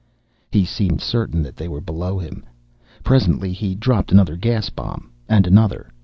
He seemed certain that they were below him. Presently he dropped another gas bomb, and another.